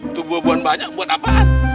itu buah buahan banyak buat apaan